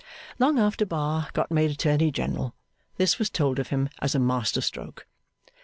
Long after Bar got made Attorney General, this was told of him as a master stroke.